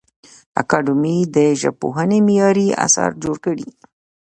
اکاډمي دي د ژبپوهنې معیاري اثار جوړ کړي.